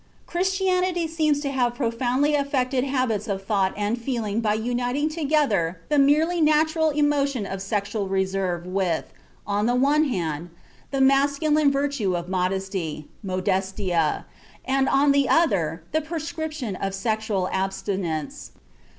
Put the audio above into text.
Christianity seems to have profoundly affected habits of thought and feeling by uniting together the merely natural emotion of sexual reserve with, on the one hand, the masculine virtue of modesty modestia and, on the other, the prescription of sexual abstinence.